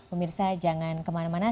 umirsa jangan kemana mana